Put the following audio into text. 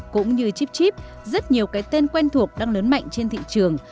cũng như chipchip rất nhiều cái tên quen thuộc đang lớn mạnh trên thị trường